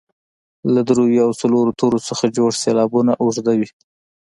له دریو او څلورو تورو څخه جوړ سېلابونه اوږده وي.